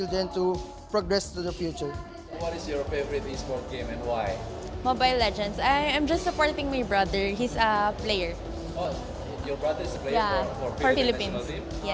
adik anda memainkan untuk tim nasional filipina